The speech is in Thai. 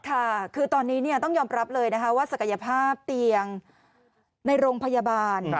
ค่ะคือตอนนี้ต้องยอมรับเลยนะคะว่าศักยภาพเตียงในโรงพยาบาล